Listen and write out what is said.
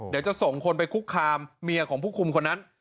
เดี๋ยวจะส่งคนไปคุกคามเมียของผู้คุมคนนั้น